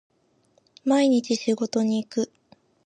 毎日仕事に行く